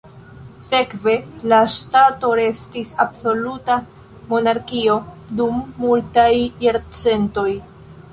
Sekve, la ŝtato restis absoluta monarkio dum multaj jarcentoj.